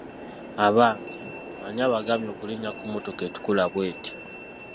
Abange, ani abagambye okulinnya ku mmotoka etukula bweti ?